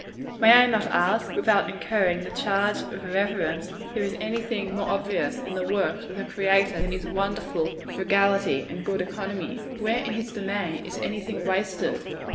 May I not ask, without incurring the charge of irreverence, if there is any thing more obvious, in the works of the Creator, than his wonderful frugality and good economy? Where, in his domain, is any thing wasted?